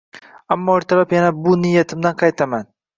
Ammo ertalab yana bu niyatimdan qaytaman